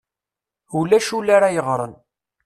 Ulac ul ara yeɣren.